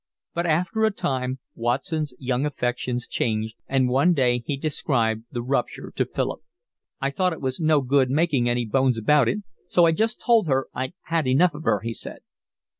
But after a time Watson's young affections changed, and one day he described the rupture to Philip. "I thought it was no good making any bones about it so I just told her I'd had enough of her," he said.